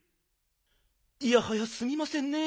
いやはやすみませんね。